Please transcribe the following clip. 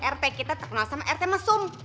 rt kita terkenal sama rt mesum